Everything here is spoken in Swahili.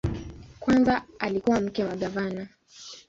Kwanza alikuwa mke wa gavana.